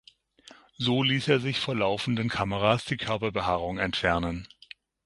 So ließ er sich vor laufenden Kameras die Körperbehaarung entfernen.